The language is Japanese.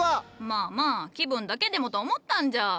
まあまあ気分だけでもと思ったんじゃ。